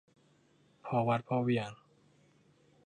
พอวัดพอเหวี่ยง